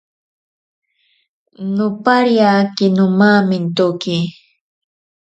Nopariake nomamentoki.